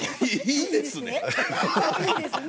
いいですね？